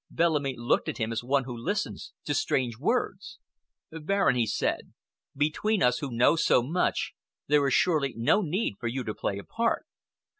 Bellamy looked at him as one who listens to strange words. "Baron," he said, "between us who know so much there is surely no need for you to play a part.